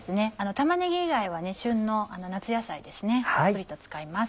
玉ねぎ以外は旬の夏野菜ですねたっぷりと使います。